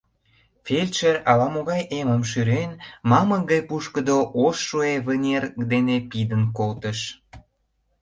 Фельдшер, ала-могай эмым шӱрен, мамык гай пушкыдо ош шуэ вынер дене пидын колтыш.